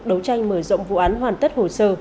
đấu tranh mở rộng vụ án hoàn tất hồ sơ